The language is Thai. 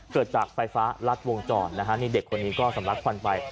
เกิดจากไฟฟ้ารัดวงจรนะฮะนี่เด็กคนนี้ก็สำลักควันไป